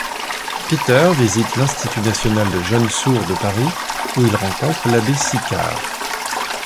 Peter visite l'Institut national de jeunes sourds de Paris où il rencontre l'abbé Sicard.